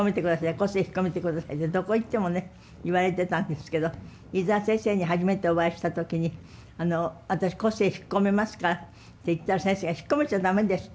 個性引っ込めてくださいってどこ行ってもね言われてたんですけど飯沢先生に初めてお会いした時に「私個性引っ込めますから」って言ったら先生が「引っ込めちゃ駄目です」って。